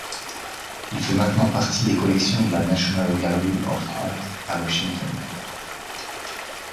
Il fait maintenant partie des collections de la National Gallery of Art à Washington.